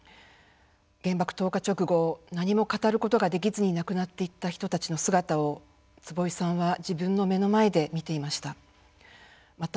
原爆投下直後何も語ることができずに亡くなっていった人たちの姿を坪井さんは自分の目の前で見ていました。